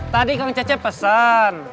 tadi kak ngececep pesan